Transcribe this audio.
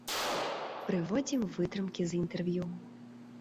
Прыводзім вытрымкі з інтэрв'ю.